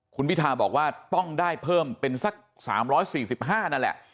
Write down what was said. คุณพิทาบอกว่าต้องได้เพิ่มเป็นสัก๓๔๕นั่นแหละ